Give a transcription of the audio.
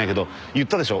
言ったでしょ？